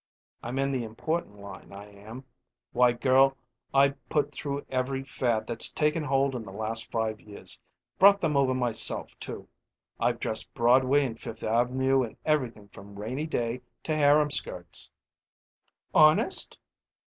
"I'm in the importin' line, I am. Why, girl, I've put through every fad that's taken hold in the last five years brought them over myself, too, I've dressed Broadway and Fifth Avenue in everything from rainy day to harem skirts." "Honest?"